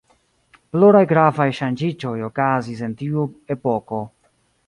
Pluraj gravaj ŝanĝiĝoj okazis en tiu epoko.